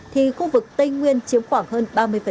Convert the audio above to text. thì khu vực tây nguyên chiếm khoảng hơn ba mươi